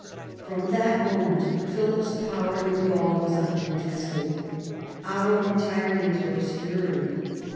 From that moment Philip's power in Gaul was uncontested. Otto retired into obscurity.